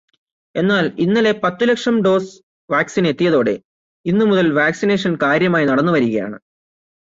എന്നാല് ഇന്നലെ പത്തു ലക്ഷം ഡോസ് വാക്സിന് എത്തിയതോടെ ഇന്ന് മുതല് വാക്സിനേഷന് കാര്യമായി നടന്നു വരികയാണ്.